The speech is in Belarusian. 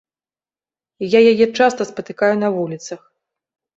Я яе часта спатыкаю на вуліцах.